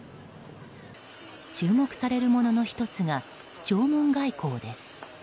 注目されるものの１つが弔問外交です。